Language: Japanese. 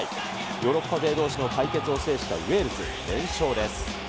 ヨーロッパ勢どうしの対決を制したウェールズ、連勝です。